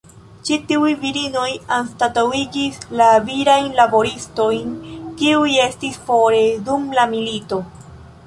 Ĉi tiuj virinoj anstataŭigis la virajn laboristojn, kiuj estis fore dum la milito.